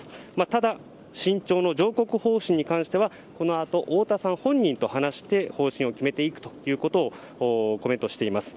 だだ、新潮の上告方針に関してはこのあと太田さん本人と話して方針を決めていくということをコメントしています。